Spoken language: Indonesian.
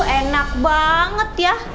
enak banget ya